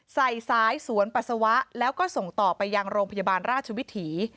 สายสวนปัสสาวะแล้วก็ส่งต่อไปยังโรงพยาบาลราชวิถี